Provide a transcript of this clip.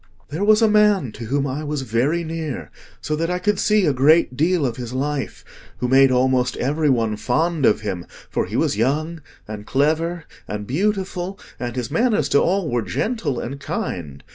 "There was a man to whom I was very near, so that I could see a great deal of his life, who made almost every one fond of him, for he was young, and clever, and beautiful, and his manners to all were gentle and kind.